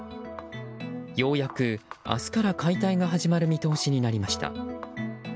ようやく明日から解体が始まる見通しになりました。